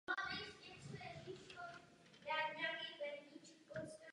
Je známý pod přezdívkou "Captain Canada".